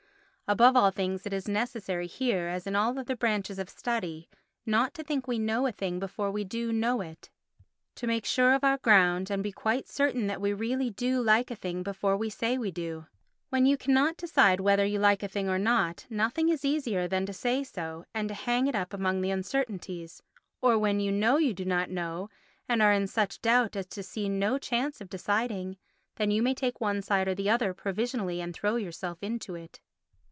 Above all things it is necessary here, as in all other branches of study, not to think we know a thing before we do know it—to make sure of our ground and be quite certain that we really do like a thing before we say we do. When you cannot decide whether you like a thing or not, nothing is easier than to say so and to hang it up among the uncertainties. Or when you know you do not know and are in such doubt as to see no chance of deciding, then you may take one side or the other provisionally and throw yourself into it.